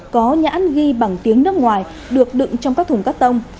có nhãn ghi bằng tiếng nước ngoài được đựng trong các thùng cắt tông